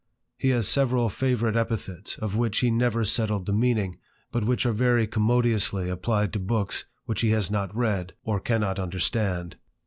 He has several favourite epithets, of which he never settled the meaning, but which are very commodiously applied to books which he has not read, or cannot understand.